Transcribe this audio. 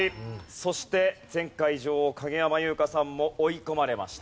そして前回女王影山優佳さんも追い込まれました。